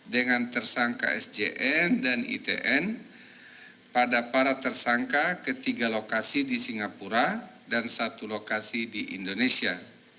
dengan tersangka sjn dan itn pada para tersangka ke tiga lokasi di singapura dan satu lokasi di indonesia